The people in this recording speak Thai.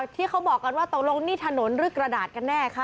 ที่เขาบอกกันว่าตกลงนี่ถนนหรือกระดาษกันแน่คะ